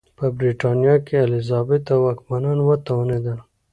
په برېټانیا کې الیزابت او واکمنان وتوانېدل.